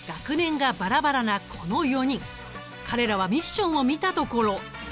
彼らはミッションを見たところ。